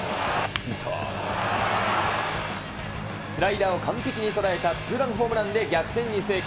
スライダーを完璧に捉えたツーランホームランで逆転に成功。